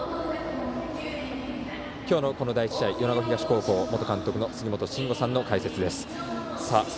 今日のこの第１試合米子東高校元監督の杉本真吾さんの解説です。